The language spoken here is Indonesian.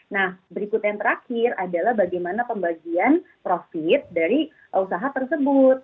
nah berikut yang terakhir adalah bagaimana pembagian profit dari usaha tersebut